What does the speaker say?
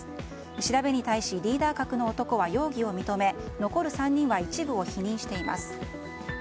調べに対しリーダー格の男は容疑を認め残る３人は一部を否認しています。